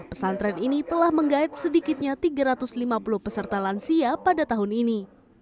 pesantren ini telah menggait sedikitnya tiga ratus lima puluh peserta lansia pada tahun ini